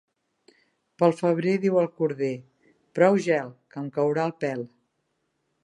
Pel febrer diu el corder: —Prou gel, que em caurà el pèl.